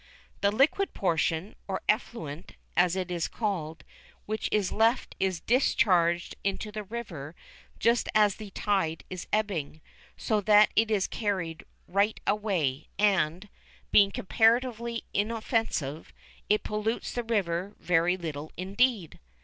The liquid portion, or "effluent," as it is called, which is left is discharged into the river just as the tide is ebbing, so that it is carried right away, and, being comparatively inoffensive, it pollutes the river very little indeed.